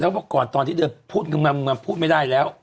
แล้วก็บอกก่อนตอนที่เดินพูดมาพูดไม่ได้แล้ว